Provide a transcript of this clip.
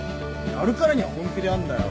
やるからには本気でやんだよ。